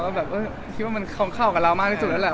เราคิดว่ามันค่อยเข้ากับเรามากที่สุดนะแหละ